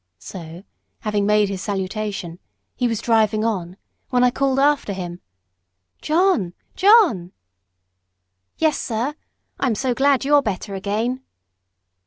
So, having made his salutation, he was driving on, when I called after him, "John! John!" "Yes, sir. I am so glad you're better again."